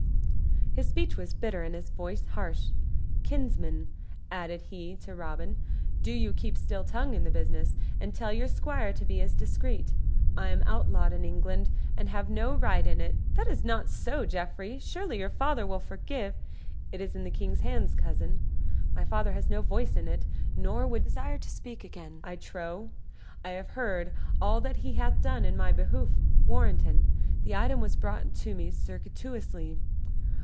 His speech was bitter and his voice harsh. "Kinsman," added he, to Robin, "do you keep still tongue in the business, and tell your squire to be as discreet. I am outlawed in England and have no right in it " "That is not so, Geoffrey; surely your father will forgive " "It is in the King's hands, cousin. My father has no voice in it, nor would desire to speak again for me, I trow. I have heard all that he hath already done in my behoof, Warrenton the item was brought to me circuitously.